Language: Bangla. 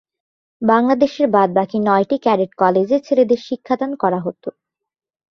বাংলাদেশের বাদবাকি নয়টি ক্যাডেট কলেজে ছেলেদের শিক্ষাদান করা হত।